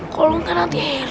kalau nanti nanti air